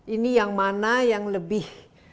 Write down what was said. ini yang mana yang lebih